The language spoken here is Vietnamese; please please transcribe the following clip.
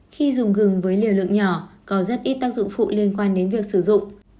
khi dùng gừng với liều lượng nhỏ có rất ít tác dụng phụ liên quan đến việc sử dụng